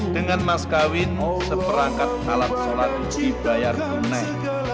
dengan mas kawinmu seperangkat alat sholat dibayar tunai